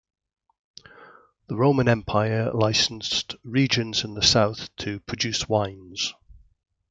The Roman Empire licensed regions in the south to produce wines.